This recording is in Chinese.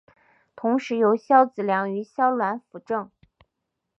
同时由萧子良与萧鸾辅政。